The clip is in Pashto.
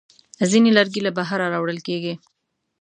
ځینې لرګي له بهره راوړل کېږي.